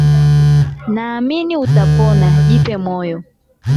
Ninaamini utapona jipe moyo